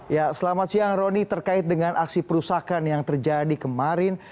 ya selamat siang roni terkait dengan aksi perusahaan yang terjadi kemarin